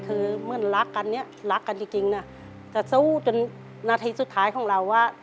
คือเหมือนรักกันเนี่ยรักกันจริงนะแต่สู้จนนาทีสุดท้ายของเราว่า